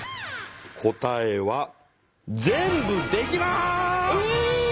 答えは全部できます！え！